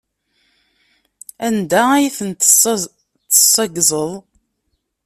Anda ay ten-tessaggzeḍ?